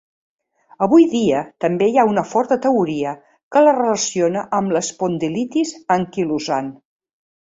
Avui dia també hi ha una forta teoria que la relaciona amb l'espondilitis anquilosant.